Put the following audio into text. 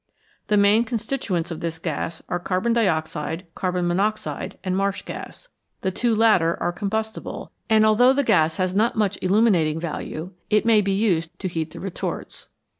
The main constituents of this gas are carbon dioxide, carbon monoxide, and marsh gas ; the two latter are combustible, and although the gas has not much illuminating value, it may be used to heat the retorts.